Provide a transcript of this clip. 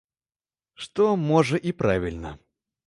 Што, можа, і правільна.